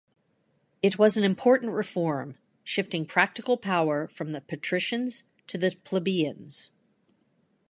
It was an important reform shifting practical power from the patricians to the plebeians.